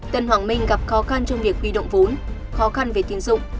tân hoàng minh gặp khó khăn trong việc huy động vốn khó khăn về kinh dụng